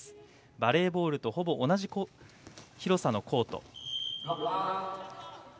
バレーボールとほぼ同じ広さのコート。